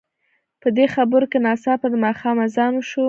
په دې خبرو کې ناڅاپه د ماښام اذان وشو.